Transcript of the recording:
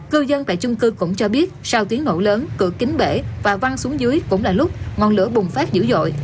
cư dân tại chung cư cũng cho biết sau tiếng nổ lớn cửa kính bể và văng xuống dưới cũng là lúc ngọn lửa bùng phát dữ dội